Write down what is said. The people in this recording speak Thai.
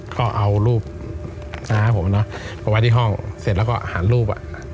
ก็เอารูปนะครับผมนะพอไว้ที่ห้องเสร็จแล้วก็หันรูป